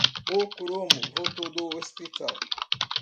O cromo voltou do hospital.